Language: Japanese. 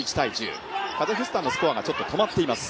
カザフスタンのスコアが止まっています。